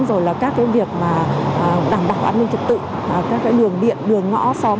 rồi là các việc đảm bảo an ninh trật tự các đường điện đường ngõ xóm